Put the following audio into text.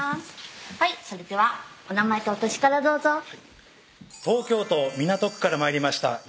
はいそれではお名前とお歳からどうぞ東京都港区から参りました山下治男